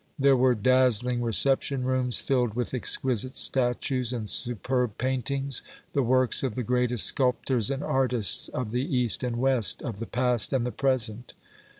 There were dazzling reception rooms filled with exquisite statues and superb paintings, the works of the greatest sculptors and artists of the east and west, of the past and the present.